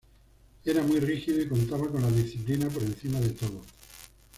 Era muy rígido y contaba con la disciplina por encima de todo.